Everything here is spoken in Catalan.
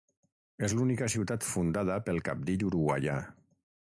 És l'única ciutat fundada pel cabdill uruguaià.